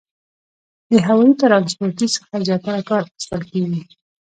د هوایي ترانسپورتي څخه زیاتره څه کار اخیستل کیږي؟